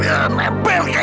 nebel kayak perangkong